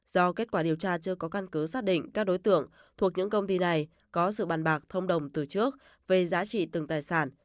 do kết quả điều tra chưa có căn cứ xác định các đối tượng thuộc những công ty này có sự bàn bạc thông đồng từ trước về giá trị từng tài sản